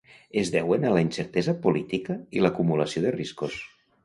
Es deuen a la incertesa política i l'acumulació de riscos.